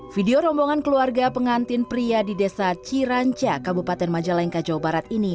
video rombongan keluarga pengantin pria di desa ciranca kabupaten majalengka jawa barat ini